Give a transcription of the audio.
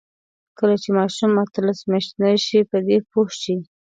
کله چې ماشوم اتلس میاشتنۍ شي، په دې پوه شي.